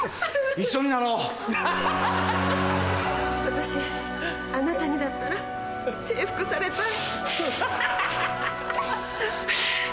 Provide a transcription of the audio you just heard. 私あなたにだったら征服されたい。